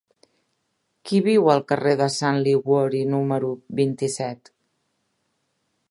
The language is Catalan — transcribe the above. Qui viu al carrer de Sant Liguori número vint-i-set?